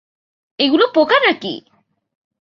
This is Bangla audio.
এগুলো পোকা নাকি?